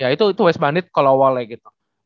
ya itu west bandit kalau awalnya gitu